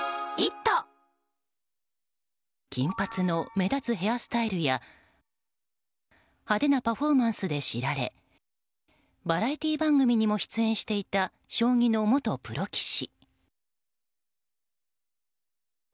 金髪の目立つヘアスタイルや派手なパフォーマンスで知られバラエティー番組にも出演していた将棋の元プロ棋士。